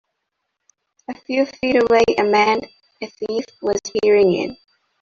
A few feet away a man, a thief, was peering in.